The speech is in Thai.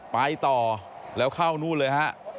ไปต่อแล้วเข้านู่นเลยฮะ